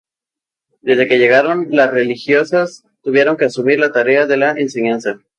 Desde que llegaron, las religiosas tuvieron que asumir la tarea de la enseñanza.